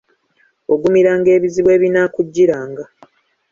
Ogumiranga ebizibu ebinaakujjiranga.